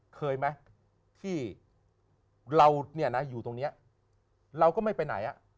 เคยมั้ยที่เราอยู่ตรงเนี้ยเราก็ไม่ไปไหน